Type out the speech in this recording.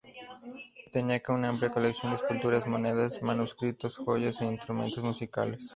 Tenía una amplia colección de esculturas, monedas, manuscritos, joyas e instrumentos musicales.